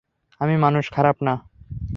আমি খারাপ মানুষ নই।